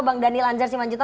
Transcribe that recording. bang daniel anjar simanjuta